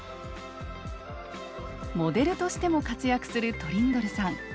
モデルとしても活躍するトリンドルさん。